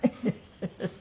フフフフ！